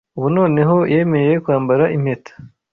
Ubu noneho yemeye kwambara impeta